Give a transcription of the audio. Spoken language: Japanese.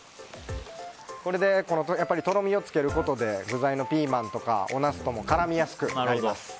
これでとろみをつけることで具材のピーマンとかおナスとも絡みやすくなります。